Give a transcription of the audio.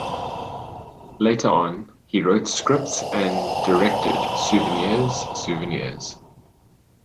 Later on, he wrote scripts and directed “Souvenirs, souvenirs”.